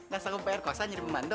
gak sanggup pr kosan jadi pembantu